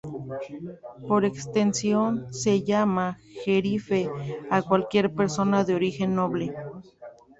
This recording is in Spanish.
Por extensión, se llama jerife a cualquier persona de origen noble.